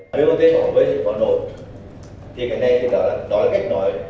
bot bỏ vây thành phố hà nội thì cái này thì đó là cách nói